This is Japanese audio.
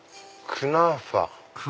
クナーファ？